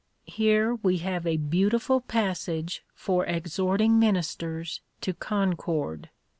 Here we have a beautiful passage for exhorting ministers to con cord.